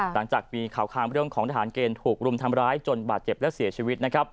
หลังจากมีข่าวคางเรื่องของทหารเกณฑ์ถูกรุมทำร้ายจนบาดเจ็บและเสียชีวิต